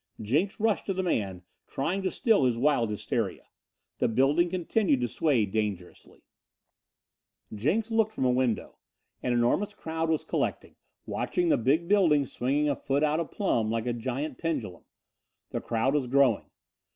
Jenks rushed to the man, trying to still his wild hysteria. The building continued to sway dangerously. Jenks looked from a window. An enormous crowd was collecting, watching the big building swinging a foot out of plumb like a giant pendulum. The crowd was growing.